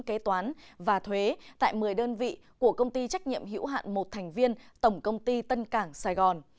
kế toán và thuế tại một mươi đơn vị của công ty trách nhiệm hữu hạn một thành viên tổng công ty tân cảng sài gòn